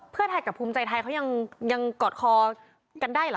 เพื่อไทยกับภูมิใจไทยเขายังกอดคอกันได้เหรอ